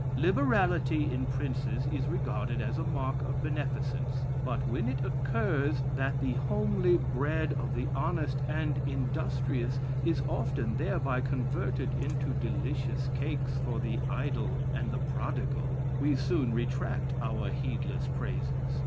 Liberality in princes is regarded as a mark of beneficence. But when it occurs, that the homely bread of the honest and industrious is often thereby converted into delicious cakes for the idle and the prodigal, we soon retract our heedless praises.